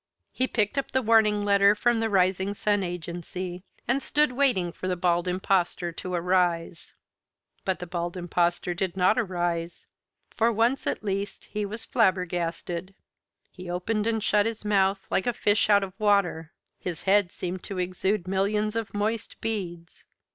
He picked up the warning letter from the Rising Sun Agency, and stood waiting for the Bald Impostor to arise. But the Bald Impostor did not arise. For once at least he was flabbergasted. He opened and shut his mouth, like a fish out of water. His head seemed to exude millions of moist beads.